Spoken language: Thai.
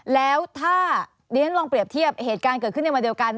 แล้วถ้าเรียนลองเปรียบเทียบเหตุการณ์เกิดขึ้นในวันเดียวกัน